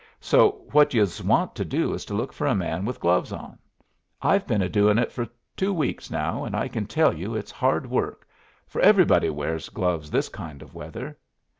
So what youse want to do is to look for a man with gloves on. I've been a doing it for two weeks now, and I can tell you it's hard work, for everybody wears gloves this kind of weather.